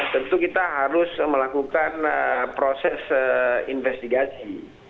tentu kita harus melakukan proses investigasi